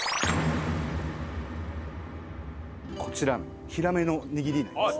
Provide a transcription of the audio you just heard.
こちらヒラメの握りになります。